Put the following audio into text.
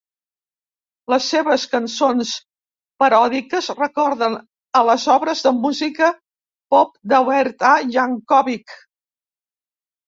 Les seves cançons paròdiques recorden a les obres de música pop de "Weird Al" Yankovic.